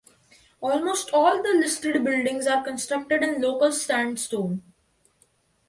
Almost all the listed buildings are constructed in local sandstone.